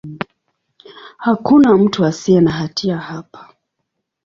Hakuna mtu asiye na hatia hapa.